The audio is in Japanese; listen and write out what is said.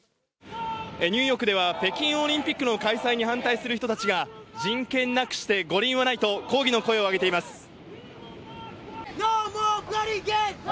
ニューヨークでは、北京オリンピックの開催に反対する人たちが人権なくして五輪はないと、抗議の声を上げています。